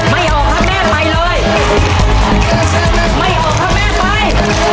ไม่ออกครับแม่ไปเลยไม่ออกครับแม่ไป